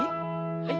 はい。